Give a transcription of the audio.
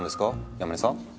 山根さん？